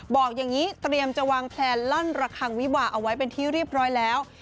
บอกอย่างนี้เตรียมจะวางแพลนลั่นระคังวิวาเอาไว้เป็นที่เรียบร้อยแล้ว